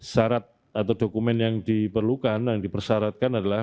syarat atau dokumen yang diperlukan yang dipersyaratkan adalah